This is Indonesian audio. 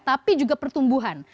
tapi juga pertumbuhan